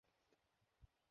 এই নাও, পোশাক পরে নাও।